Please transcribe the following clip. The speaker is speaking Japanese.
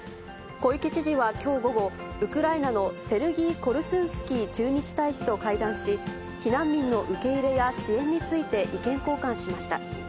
小池知事はきょう午後、ウクライナのセルギー・コルスンスキー駐日大使と会談し、避難民の受け入れや支援について意見交換しました。